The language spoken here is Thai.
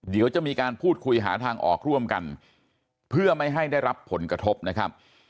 เดี๋ยวจะมีการพูดคุยหาทางออกร่วมกันเพื่อไม่ให้ได้รับผลกระทบนะครับ